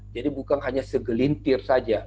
jadi bukan hanya segelintir saja